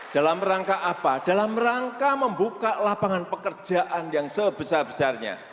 dalam rangka apa dalam rangka membuka lapangan pekerjaan yang sebesar besarnya